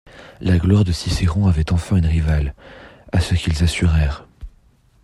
La gloire de Cicéron avait enfin une rivale, à ce qu'ils assurèrent.